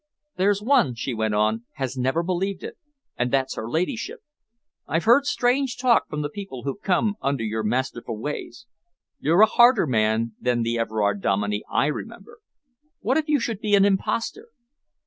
"There's one," she went on, "has never believed it, and that's her ladyship. I've heard strange talk from the people who've come under your masterful ways. You're a harder man than the Everard Dominey I remember. What if you should be an impostor?"